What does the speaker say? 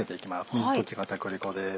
水溶き片栗粉です。